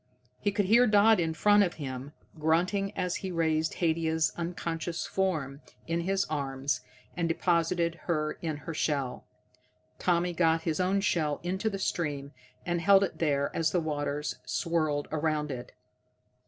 He could hear Dodd in front of him, grunting as he raised Haidia's unconscious form in his arms and deposited her in her shell. Tommy got his own shell into the stream, and held it there as the waters swirled around it.